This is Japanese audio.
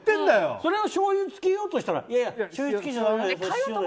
それをしょうゆつけようとしたらそれは塩でって。